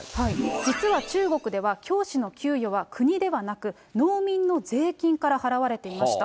実は中国では、教師の給与は国ではなく、農民の税金から払われていました。